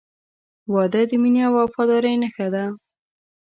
• واده د مینې او وفادارۍ نښه ده.